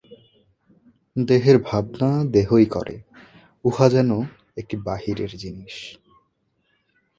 দেহের ভাবনা দেহই করে, উহা যেন একটি বাহিরের জিনিষ।